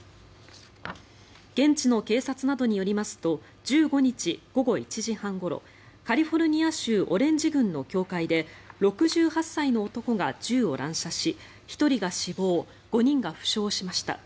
現地の警察などによりますと１５日午後１時半ごろカリフォルニア州オレンジ郡の教会で６８歳の男が銃を乱射し１人が死亡５人が負傷しました。